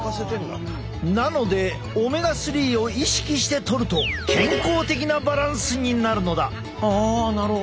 なのでオメガ３を意識してとると健康的なバランスになるのだ。